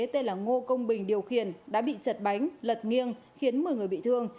tên là ngô công bình điều khiển đã bị chật bánh lật nghiêng khiến một mươi người bị thương